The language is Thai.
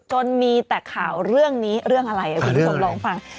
จนมีแต่ข่าวเรื่องนี้เรื่องอะไรคุณผู้ชมลองฟัง